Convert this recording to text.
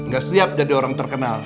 gak siap jadi orang terkenal